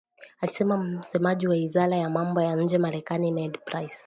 alisema msemaji wa wizara ya mambo ya nje Marekani Ned Price